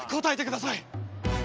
答えてください！